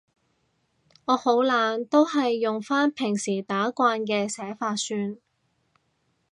我好懶，都係用返平時打慣嘅寫法算